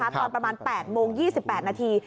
ตอนประมาณ๘โมง๒๘นาที